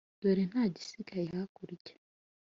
dore ntagisigaye hakurya.